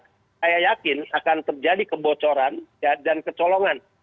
saya yakin akan terjadi kebocoran dan kecolongan